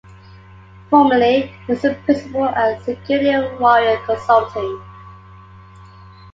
Formerly he was a principal at Security Warrior Consulting.